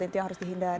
itu yang harus dihindari